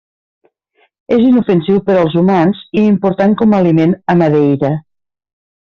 És inofensiu per als humans i important com a aliment a Madeira.